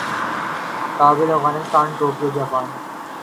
Kabul Afghanistan Tokyo Japan